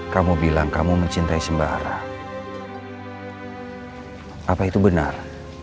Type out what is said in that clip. kamu bilang kamu mencintai sembarang apa itu benar